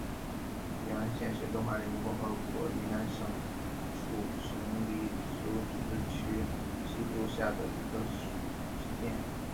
姚安县是中华人民共和国云南省楚雄彝族自治州西部下属的一个县。